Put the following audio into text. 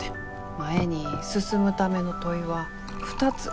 前に進むための問いは２つ。